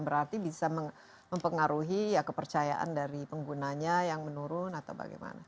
berarti bisa mempengaruhi ya kepercayaan dari penggunanya yang menurun atau bagaimana